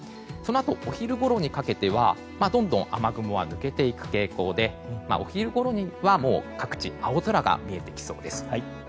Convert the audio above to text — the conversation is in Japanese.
そのあと、お昼ごろにかけてはどんどん雨雲は抜けていく傾向でお昼ごろにはもう各地青空が見えてきそうです。